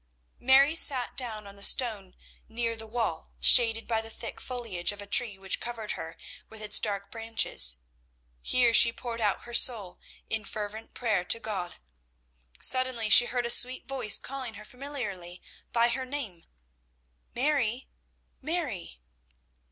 Mary sat down on the stone near the wall shaded by the thick foliage of a tree which covered her with its dark branches. Here she poured out her soul in fervent prayer to God. Suddenly she heard a sweet voice calling her familiarly by her name, "Mary, Mary!"